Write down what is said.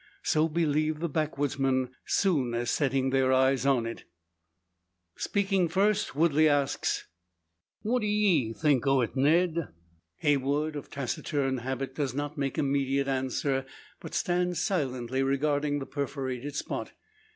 So believe the backwoodsmen, soon as setting their eyes on it. Speaking first, Woodley asks, "What d'ye think o' it, Ned?" Heywood, of taciturn habit, does not make immediate answer, but stands silently regarding the perforated spot.